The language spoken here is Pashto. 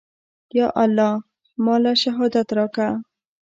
يا الله ما له شهادت راکه.